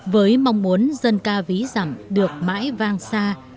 với mong muốn dân ca ví giảm được mãi vang xa